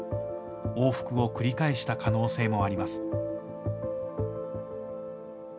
往復を繰り返した可能性もあります。